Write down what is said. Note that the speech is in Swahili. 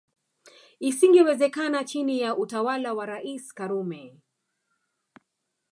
Isingewezekana chini ya utawala wa Rais Karume